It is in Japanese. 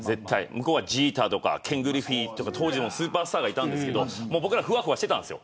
向こうはジーターとかケン・グリフィーとか当時のスーパースターがいて僕らはふわふわしていたんです。